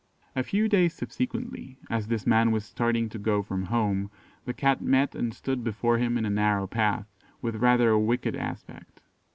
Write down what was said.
"A few days subsequently, as this man was starting to go from home, the Cat met and stood before him in a narrow path, with rather a wicked aspect.